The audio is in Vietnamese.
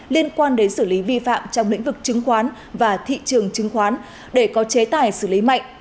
liên quan đến xử lý vi phạm trong lĩnh vực chứng khoán và thị trường chứng khoán để có chế tài xử lý mạnh